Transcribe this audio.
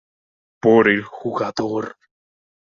Por el jugador.